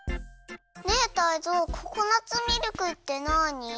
ねえタイゾウココナツミルクってなに？